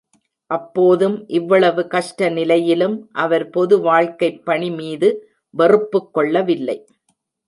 அப்போதும், இவ்வளவு கஷ்ட நிலையிலும், அவர் பொது வாழ்க்கைப் பணி மீது வெறுப்புக் கொள்ளவில்லை.